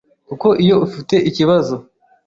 kuko iyo ufite ikibazo,